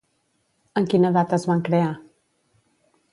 En quina data es van crear?